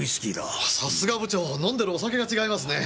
さすが部長飲んでるお酒が違いますね。